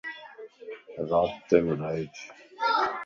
رابطيم رھيج